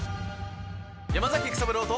山崎育三郎と。